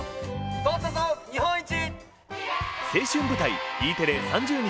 取ったぞ、日本一！